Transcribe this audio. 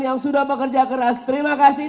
yang sudah bekerja keras terima kasih